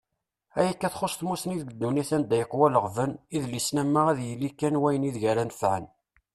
Ayakka txuṣṣ tmusni deg ddunit anda yeqwa leɣben, idlisen am wa ad yili kan wayen ideg ara nefƐen.